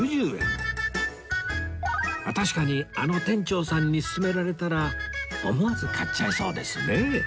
確かにあの店長さんに薦められたら思わず買っちゃいそうですね